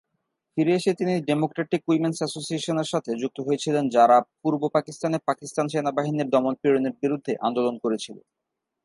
ফিরে এসে তিনি ডেমোক্র্যাটিক উইমেনস অ্যাসোসিয়েশনের সাথে যুক্ত হয়েছিলেন যারা পূর্ব পাকিস্তানে পাকিস্তান সেনাবাহিনীর দমন-পীড়নের বিরুদ্ধে আন্দোলন করেছিল।